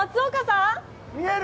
見える？